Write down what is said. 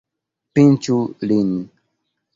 Pinĉu lin!